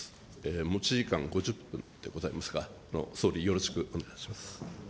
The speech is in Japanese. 持ち時間５０分でございますが、総理、よろしくお願いします。